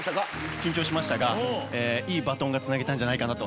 緊張しましたがいいバトンがつなげたんじゃないかなと。